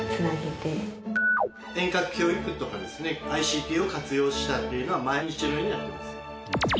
遠隔教育とかですねＩＣＴを活用したっていうのは毎日のようにやってます。